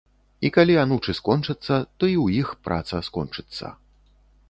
І калі анучы скончацца, то і ў іх праца скончыцца.